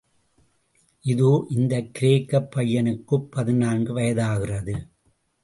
இதோ இந்தக் கிரேக்கப் பையனுக்குப் பதினான்கு வயாதாகிறது.